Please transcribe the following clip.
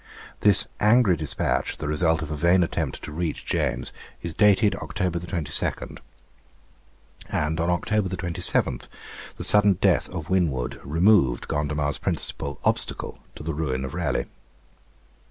This angry despatch, the result of a vain attempt to reach James, is dated October 22; and on October 27 the sudden death of Winwood removed Gondomar's principal obstacle to the ruin of Raleigh.